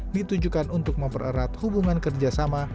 ditujukan untuk mempererat hubungan kerjasama